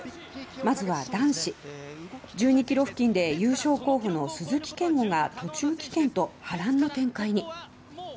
まずは男子１２キロ付近で優勝候補の鈴木健吾が途中棄権と波乱の展開に。